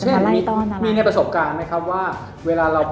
มีในประสบการณ์ไหมครับว่าเวลาเราพูดกัน